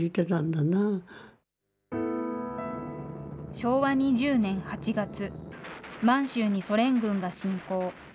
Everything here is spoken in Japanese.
昭和２０年８月、満州にソ連軍が進攻。